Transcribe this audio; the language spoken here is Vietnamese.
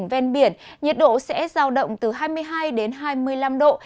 ven biển nhiệt độ sẽ giao động từ hai mươi hai đến hai mươi năm độ